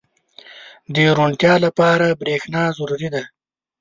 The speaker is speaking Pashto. • د روڼتیا لپاره برېښنا ضروري ده.